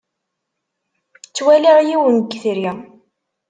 Ttwaliɣ yiwen n yetri.